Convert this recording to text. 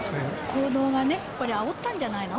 報道がねあおったんじゃないの。